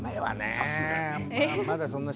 さすがに。